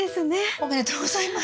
おめでとうございます。